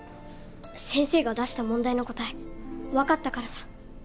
先生が出した問題の答え分かったからさ。